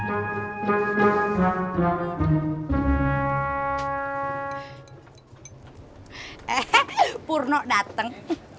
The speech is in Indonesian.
eheh purno dateng